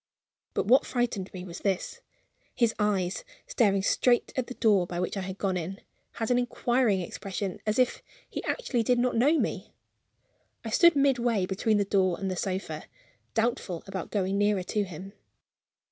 But what frightened me was this. His eyes, staring straight at the door by which I had gone in, had an inquiring expression, as if he actually did not know me! I stood midway between the door and the sofa, doubtful about going nearer to him.